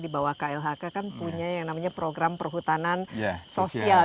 bahwa klhk kan punya yang namanya program perhutanan sosial